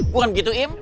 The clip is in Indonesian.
kurang gitu im